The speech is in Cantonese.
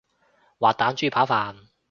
滑蛋豬扒飯